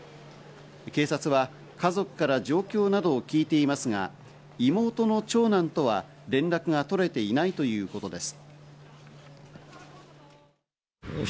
警察は家族から状況などを聞いていますが、妹の長男とは連絡が取れていないということです。